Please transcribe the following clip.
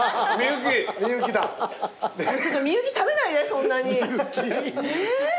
ちょっと美幸食べないでそんなに。